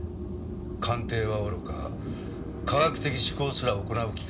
鑑定はおろか科学的思考すら行う機会がなくて。